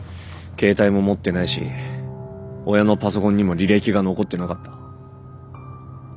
携帯も持ってないし親のパソコンにも履歴が残ってなかった。